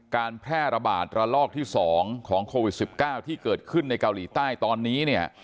การแพร่ระบาดระลอกที่๒ของโควิด๑๙ที่เกิดขึ้นในเกาหลีใต้ตอนนี้เนี่ย